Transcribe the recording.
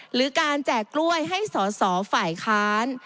หรือการแจกกล้วยให้สอสอฝ่ายค้าน